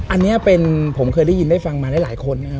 อันนี้เป็นผมเคยได้ยินได้ฟังมาหลายคนนะครับ